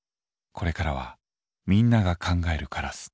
これからはみんなが「考えるカラス」。